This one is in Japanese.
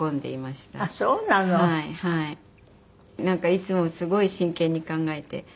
なんかいつもすごい真剣に考えて。